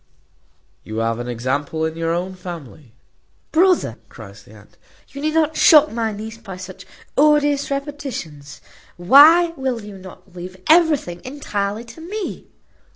You have an example in your own family." "Brother," cries the aunt, "you need not shock my niece by such odious repetitions. Why will you not leave everything entirely to me?"